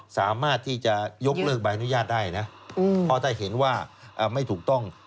สามารถที่จะยกเลิกใบอนุญาตได้นะเพราะถ้าเห็นว่าไม่ถูกต้อง